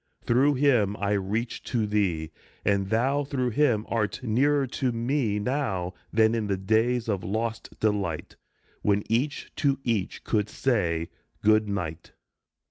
Through him I reach to thee, and thou Through him art nearer to me now Than in the days of lost delight When each to each could say, " Good night."